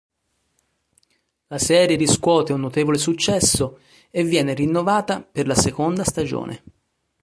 La serie riscuote un notevole successo e viene rinnovata per la seconda stagione.